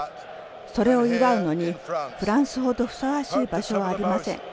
それを祝うのにフランスほどふさわしい場所はありません。